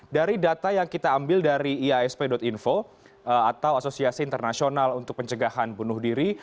dari data yang kita ambil dari iasp info atau asosiasi internasional untuk pencegahan bunuh diri